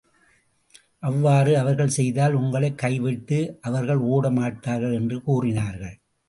அவ்வாறு அவர்கள் செய்தால், உங்களைக் கை விட்டு அவர்கள் ஒட மாட்டார்கள் என்று கூறினார்கள்.